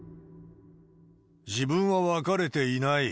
自分は別れていない。